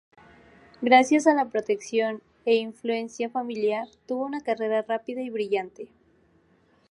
Gracias a la protección e influencia familiar, tuvo una carrera rápida y brillante.